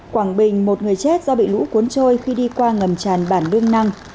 quảng bình một người chết do bị lũ cuốn trôi khi đi qua ngầm tràn bản đương năng